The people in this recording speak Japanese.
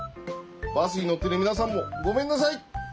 バスにのってるみなさんもごめんなさい。